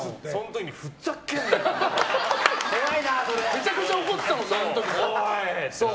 めちゃくちゃ怒ってたもん。